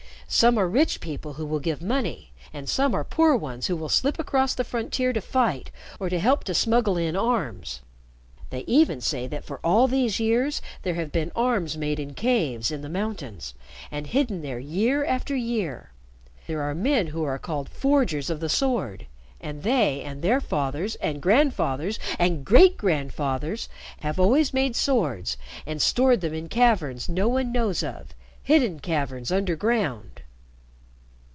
Some are rich people who will give money, and some are poor ones who will slip across the frontier to fight or to help to smuggle in arms. They even say that for all these years there have been arms made in caves in the mountains, and hidden there year after year. There are men who are called Forgers of the Sword, and they, and their fathers, and grandfathers, and great grandfathers have always made swords and stored them in caverns no one knows of, hidden caverns underground."